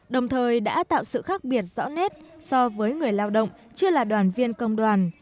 đồng thời đã tạo sự khác biệt rõ nét so với người lao động chưa là đoàn viên công đoàn